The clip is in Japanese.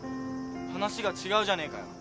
話が違うじゃねえかよ。